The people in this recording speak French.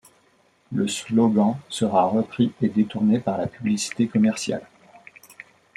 Le slogan sera repris et détourné par la publicité commerciale.